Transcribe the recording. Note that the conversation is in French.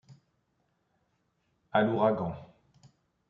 À l'ouragan.